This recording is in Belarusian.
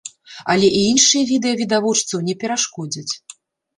Але і іншыя відэа відавочцаў не перашкодзяць.